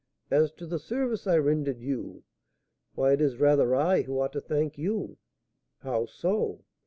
As to the service I rendered you, why, it is rather I who ought to thank you." "How so?"